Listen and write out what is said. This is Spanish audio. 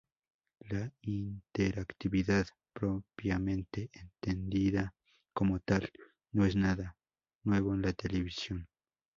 La interactividad, propiamente entendida como tal, no es nada nuevo en la televisión.